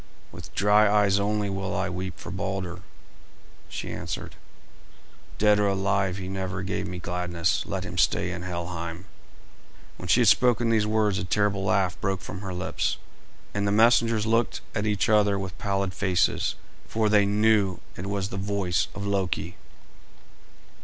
"With dry eyes only will I weep for Balder," she answered. "Dead or alive, he never gave me gladness. Let him stay in Helheim." When she had spoken these words a terrible laugh broke from her lips, and the messengers looked at each other with pallid faces, for they knew it was the voice of Loki.